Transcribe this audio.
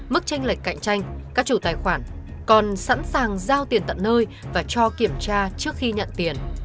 mức tranh lệnh cạnh tranh các chủ tài khoản còn sẵn sàng giao tiền tận nơi và cho kiểm tra trước khi nhận tiền